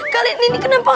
kalian ini kenapa